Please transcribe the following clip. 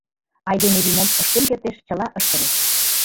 Айдеме вий мом ыштен кертеш, чыла ыштыме».